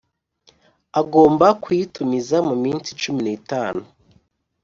agomba kuyitumiza mu minsi cumi n itanu